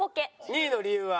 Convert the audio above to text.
２位の理由は？